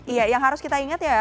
iya yang harus kita ingat ya